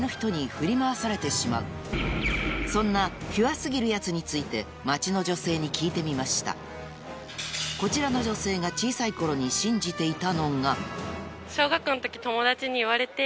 そんなピュア過ぎるヤツについて街の女性に聞いてみましたこちらの女性がそれを信じてました。